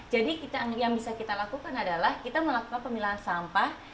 jadi yang bisa kita lakukan adalah kita melakukan pemilahan sampah